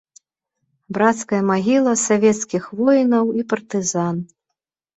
Брацкая магіла савецкіх воінаў і партызан.